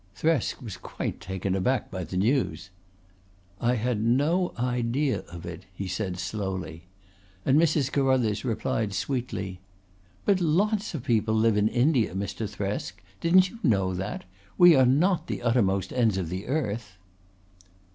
Thresk was quite taken aback by the news. "I had no idea of it," he said slowly, and Mrs. Carruthers replied sweetly: "But lots of people live in India, Mr. Thresk. Didn't you know that? We are not the uttermost ends of the earth."